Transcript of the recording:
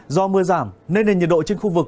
do mưa giảm nên nền nhiệt độ trên khu vực